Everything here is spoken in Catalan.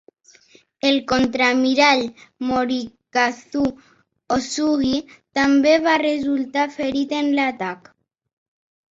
El contraalmirall Morikazu Osugi també va resultar ferit en l'atac.